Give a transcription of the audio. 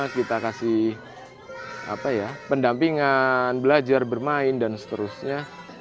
kita kasih pendampingan belajar bermain dan seterusnya